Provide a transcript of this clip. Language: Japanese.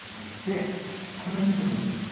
これを見てほしいんです。